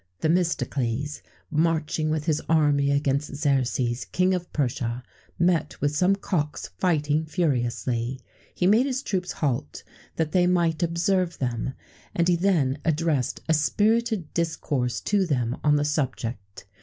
[XVII 7] Themistocles, marching with his army against Xerxes, King of Persia, met with some cocks fighting furiously; he made his troops halt, that they might observe them, and he then addressed a spirited discourse to them on the subject.